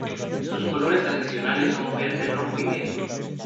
Sus colores tradicionales son verde, rojo y negro.